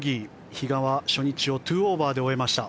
比嘉は初日、２オーバーで終えました。